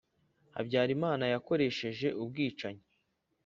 habyarimana yakoresheje ubwicanyi,